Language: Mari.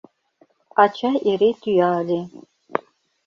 Ача эре тӱя ыле: